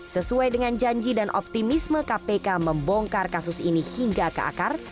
sesuai dengan janji dan optimisme kpk membongkar kasus ini hingga ke akar